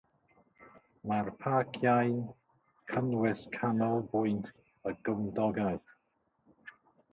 Mae'r parciau'n cynnwys canolbwynt y gymdogaeth.